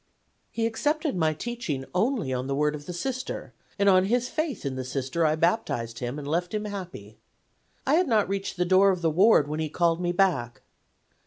He accepted my teaching only on the word of the Sister, and on his faith in the Sister I baptized him and left him happy. I had not reached the door of the ward when he called me back.